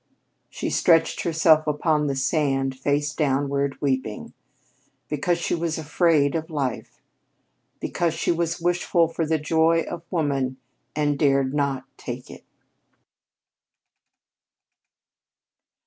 She stretched herself upon the sand, face downward, weeping, because she was afraid of life because she was wishful for the joy of woman and dared not take it.